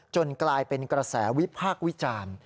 กลายเป็นกระแสวิพากษ์วิจารณ์